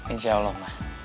insya allah ma